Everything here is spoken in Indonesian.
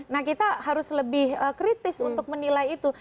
nah kita harus lebih kritis untuk menilai itu